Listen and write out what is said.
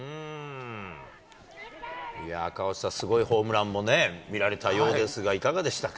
いやぁ、赤星さん、すごいホームランも見られたようですが、いかがでしたか。